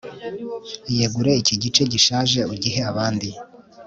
iyegure iki gice gishaje ugihe abandi